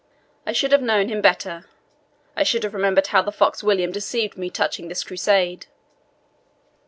"I should have known him better I should have remembered how the fox William deceived me touching this Crusade."